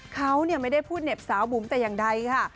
เขาไม่ได้พูดเหน็บสาวบุ๋มแต่อย่างใดค่ะ